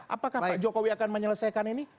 apakah pak jokowi akan menyelesaikan ini